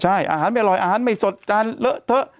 ใช่อาหารไม่อร่อยอาหารไม่สดจานเลอะเทอะ